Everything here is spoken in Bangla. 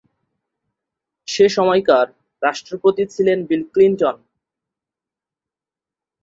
সে সময়কার রাষ্ট্রপতি ছিলেন বিল ক্লিনটন।